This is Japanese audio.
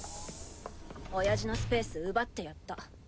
おやじのスペース奪ってやった。